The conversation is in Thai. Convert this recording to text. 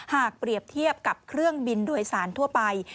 หากเปรียบเทียบกับเครื่องบินโดยสารทั่วไป